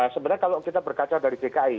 sebenarnya kalau kita berkaca dari dki